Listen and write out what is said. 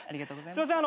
すいません